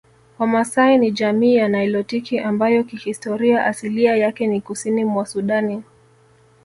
Wamasai ni jamii ya nilotiki ambayo kihistoria asilia yake ni Kusini mwa Sudani